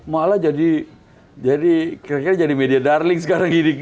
malah jadi kira kira jadi media darling sekarang ini